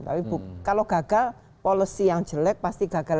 tapi kalau gagal policy yang jelek pasti gagal